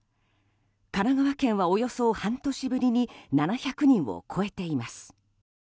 神奈川県はおよそ半年ぶりに７００人を超えています。